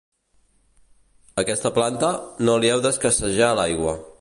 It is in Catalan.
A aquesta planta, no li heu d'escassejar l'aigua.